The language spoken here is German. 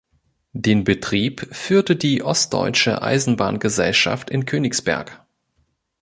Den Betrieb führte die Ostdeutsche Eisenbahn-Gesellschaft in Königsberg.